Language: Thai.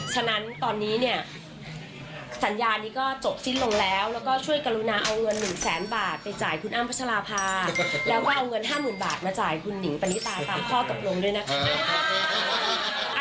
ฉะนั้นตอนนี้เนี่ยสัญญานี้ก็จบสิ้นลงแล้วแล้วก็ช่วยกรุณาเอาเงิน๑แสนบาทไปจ่ายคุณอ้ำพัชราภาแล้วก็เอาเงิน๕๐๐๐บาทมาจ่ายคุณหนิงปณิตาตามข้อตกลงด้วยนะคะ